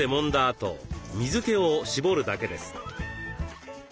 あと水けを絞るだけです。